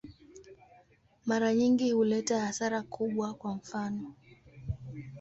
Mara nyingi huleta hasara kubwa, kwa mfano.